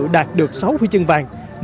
đạt được sáu huy chương vàng